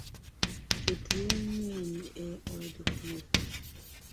Jotuo ng’eny e od thieth